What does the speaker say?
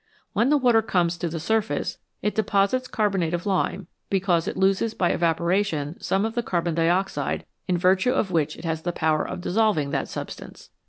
When the water comes to the surface it deposits carbonate of lime, because it loses by evaporation some of the carbon dioxide in virtue of which it has the power of dissolving that substance.